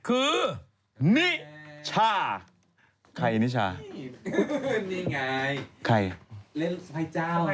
เล่นสภัยเจ้าเนี่ย